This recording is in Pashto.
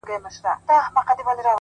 پوره اته دانې سمعان ويلي كړل!!